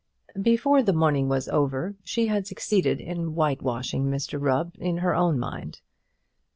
Before the morning was over she had succeeded in white washing Mr Rubb in her own mind.